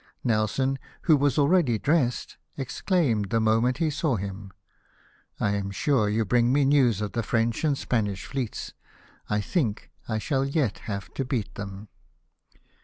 Nelson, who was already dressed, exclaimed, the moment he saw him :" I am sure you bring me news of the French and Spanish fleets ! I think I shall yet have to^ beat them